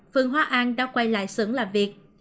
phương hóa an đã quay lại xứng làm việc